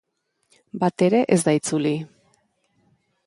Bat ere ez da itzuli.